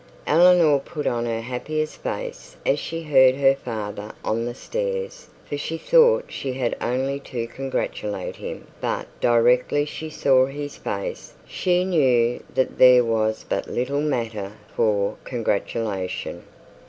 Eleanor put on her happiest face as she heard her father on the stairs, for she thought she had only to congratulate him; but directly she saw his face, she knew that there was but little matter for congratulation.